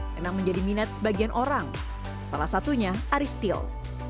memang menjadi minat sebagian orang salah satunya aristil